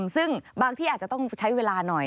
ซึ่งบางที่อาจจะต้องใช้เวลาหน่อย